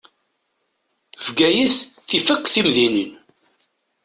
Bgayet tif akk timdinin.